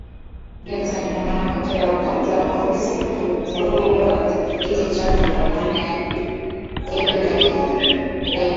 Jackson ni mwanamke wa kwanza mweusi kuteuliwa katika kiti cha mahakama ya juu zaidi ya taifa.